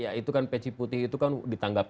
ya itu kan peci putih itu kan ditanggap